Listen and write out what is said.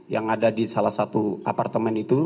yang ada di salah satu apartemen itu